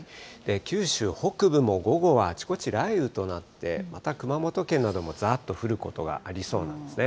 九州北部も午後はあちこち雷雨となって、また熊本県などもざーっと降ることがありそうなんですね。